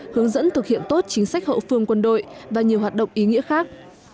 hướng dẫn thực hiện tốt chính sách hậu phương quân đội và nhiều hoạt động ý nghĩa khác